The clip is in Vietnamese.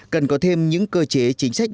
cần có thêm những cơ chế chính sách